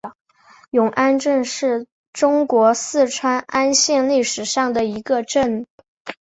永安镇是中国四川安县历史上的一个镇。